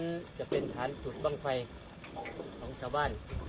อันนี้จะเป็นกลางปลาก่อนของสาวบ้าน